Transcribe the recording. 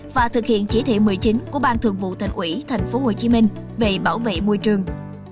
và thực hiện chỉ thị một mươi chín của ban thượng vụ thành ủy tp hcm về bảo vệ môi trường